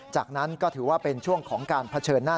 จากนั้นก็ถือว่าเป็นช่วงของการเผชิญหน้า